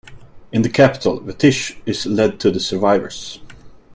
In the capital, Veitch is led to the survivors.